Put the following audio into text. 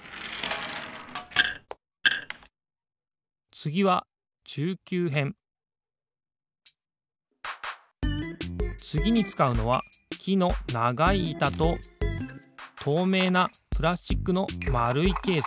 つぎはつぎにつかうのはきのながいいたととうめいなプラスチックのまるいケース。